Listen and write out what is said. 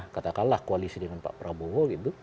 katakanlah koalisi dengan pak prabowo gitu